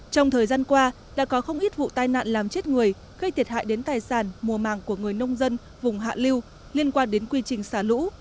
trong thời gian qua đã có không ít vụ tai nạn làm chết người gây thiệt hại đến tài sản mùa màng của người nông dân vùng hạ liêu liên quan đến quy trình xả lũ